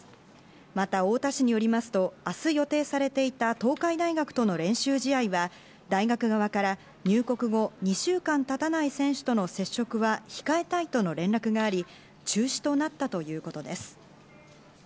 また太田市によりますと、明日予定されていた東海大学との練習試合は大学側から入国後２週間たたない選手との接触は控えたいとの連絡があり、中止となったということです。